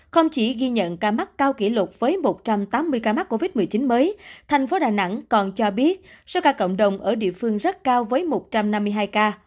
không chỉ ghi nhận ca mắc cao kỷ lục với một trăm tám mươi ca mắc covid một mươi chín mới thành phố đà nẵng còn cho biết số ca cộng đồng ở địa phương rất cao với một trăm năm mươi hai ca